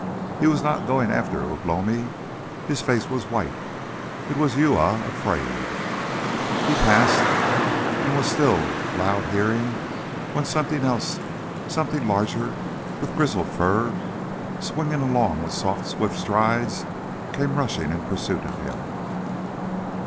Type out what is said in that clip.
He was not going after Ugh lomi. His face was white. It was Uya afraid! He passed, and was still loud hearing, when something else, something large and with grizzled fur, swinging along with soft swift strides, came rushing in pursuit of him.